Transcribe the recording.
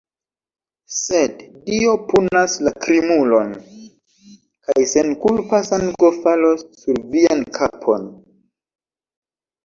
sed Dio punas la krimulon, kaj senkulpa sango falos sur vian kapon!